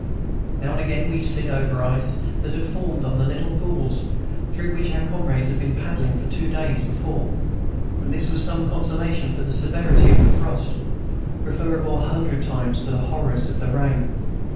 Now and again we slid over ice that had formed on the little pools through which our comrades had been paddling two days before. And this was some consolation for the severity of the frost, preferable a hundred times to the horrors of the rain.